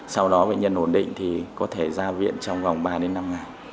sau đó bệnh nhân ổn định thì có thể ra viện trong vòng ba đến năm ngày